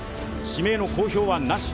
指名の公表はなし。